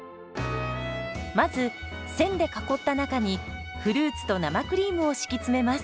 まず線で囲った中にフルーツと生クリームを敷き詰めます。